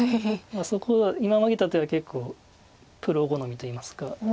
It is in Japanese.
そこは今マゲた手は結構プロ好みといいますか。